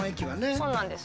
そうなんです。